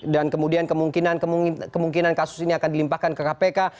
dan kemudian kemungkinan kasus ini akan dilimpahkan ke kpk